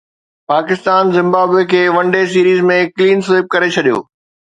Pakistan Zimbabwe کي one day series ۾ clean sweep ڪري ڇڏيو